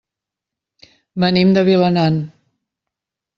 Venim de Vilanant.